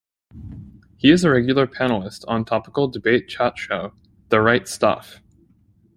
He is a regular panellist on topical debate chat show "The Wright Stuff".